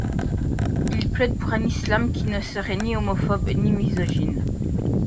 Il plaide pour un Islam qui ne serait ni homophobe ni misogyne.